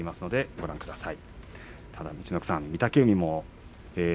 ご覧ください。